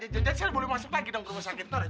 jadi saya boleh masuk lagi dong ke rumah sakit